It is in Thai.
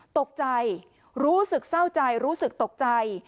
ตกใจรู้สึกเศร้าใจรู้สึกตกใจ